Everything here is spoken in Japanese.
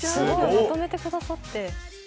まとめてくださって。